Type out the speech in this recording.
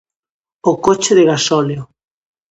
O coche de gasóleo.